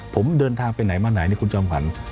ผมเดินทางไปไหนมาไหนนี่คุณจอมขวัญ